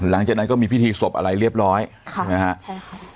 หลังจากนั้นก็มีพิธีศพอะไรเรียบร้อยใช่ไหมคะ